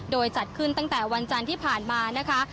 โดยจัดขึ้นตั้งแต่วันจันทร์ที่ผ่านมานะคะ